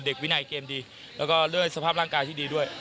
วินัยเกมดีแล้วก็ด้วยสภาพร่างกายที่ดีด้วย